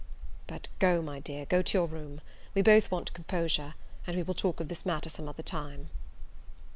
But go, my dear, go to your own room; we both want composure, and we will talk of this matter some other time."